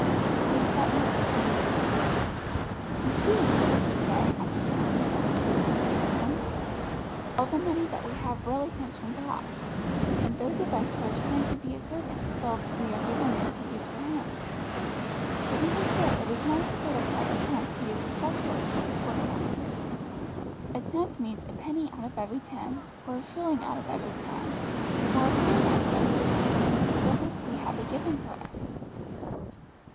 Miss Falkner explained it. "You see," she said, after telling them of the Jewish custom, "all the money that we have really comes from God. And those of us who are trying to be His servants feel we are given it to use for Him. But even so it is nice to put apart a tenth to use especially for His work down here. A tenth means a penny out of every ten, or a shilling out of every ten, or a pound out of every ten, just as we have it given to us."